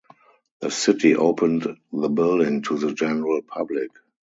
The city opened the building to the general public.